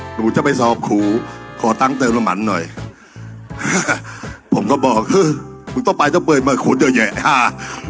หนูจะไปสอบครูขอตั้งเติมน้ำมันหน่อยผมก็บอกคือมึงต้องไปต้องเปิดมาขุดเยอะแยะห้า